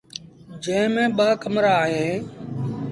جݩهݩ ميݩ ٻآ ڪمرآ اوهيݩ۔